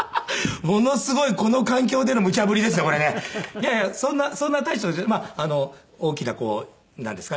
いやいやそんな大した事じゃ大きなこうなんですか？